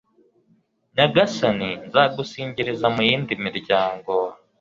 nyagasani, nzagusingiriza mu yindi miryango,